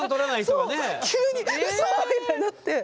急に「ウソ！」みたいになって。